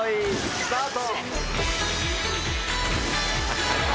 スタート。